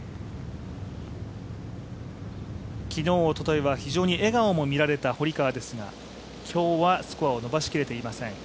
昨日、おとといは非常に笑顔も見られた堀川ですが、今日はスコアを伸ばし切れていません。